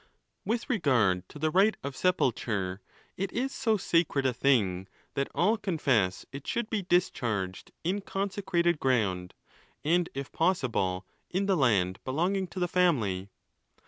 XXII. With regard to the rite of sopultute: it is so sacred a thing that all confess it should be discharged in consecrated ground, and if possible in the land belonging to the family.